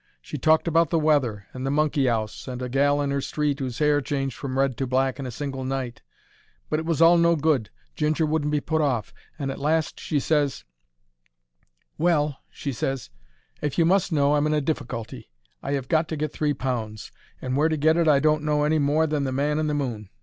She talked about the weather, and the monkey 'ouse, and a gal in 'er street whose 'air changed from red to black in a single night; but it was all no good, Ginger wouldn't be put off, and at last she ses— "Well," she ses, "if you must know, I'm in a difficulty; I 'ave got to get three pounds, and where to get it I don't know any more than the man in the moon.